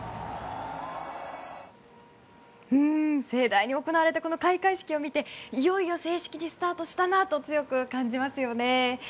盛大に行われた開会式を見ていよいよ正式にスタートしたなと強く感じますよね。